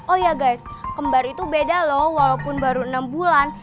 oh ya guys kembar itu beda loh walaupun baru enam bulan